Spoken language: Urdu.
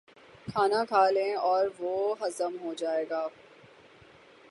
کھانا کھا لیں اور وہ ہضم ہو جائے۔